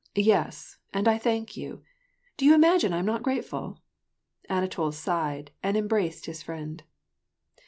" Yes, and I thank you. Do you imagine I am not grate ful ?" Anatol sighed and embraced his friend.